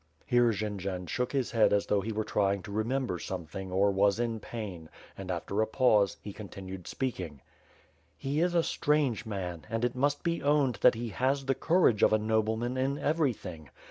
.." Here Jendzian shook his head as though he were trying to remember something or was in pain and, after a pause, he continued speaking: "He is a strange man, and it must be owned that he has the courage of a nobleman in everything.